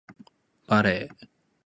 バレー